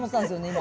今。